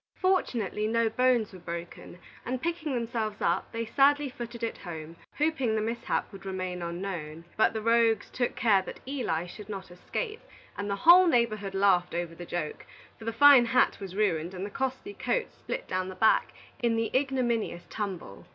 Fortunately, no bones were broken, and picking themselves up, they sadly footed it home, hoping the mishap would remain unknown. But the rogues took care that Eli should not escape, and the whole neighborhood laughed over the joke; for the fine hat was ruined, and the costly coat split down the back, in the ignominious tumble.